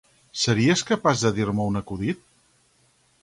Series capaç de dir-me un acudit?